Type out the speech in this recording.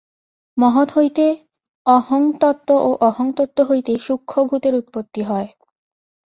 মহৎ হইতে অহংতত্ত্ব ও অহংতত্ত্ব হইতে সূক্ষ্মভূতের উৎপত্তি হয়।